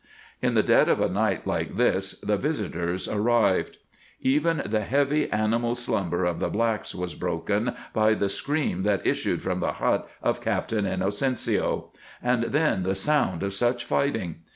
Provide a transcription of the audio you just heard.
In the dead of a night like this the visitors arrived. Even the heavy animal slumber of the blacks was broken by the scream that issued from the hut of Captain Inocencio. And then the sound of such fighting!